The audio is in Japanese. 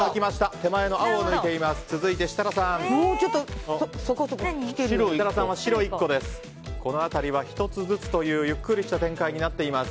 手前の青を抜いています。